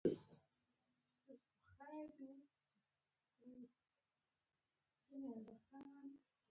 انار د افغانستان په هره برخه کې موندل کېږي.